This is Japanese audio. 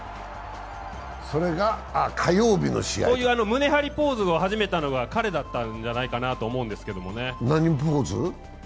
こういう胸張りポーズを始めたのは彼だったんじゃないかなと思うんですけどね。